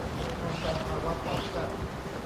ป้องกันภาวะปอดแฟบ